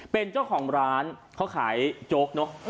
เป็นเจ้าของร้านเขาขายโจ๊กเนอะ